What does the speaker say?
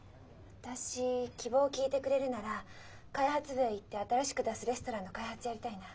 私希望聞いてくれるなら開発部へ行って新しく出すレストランの開発やりたいな。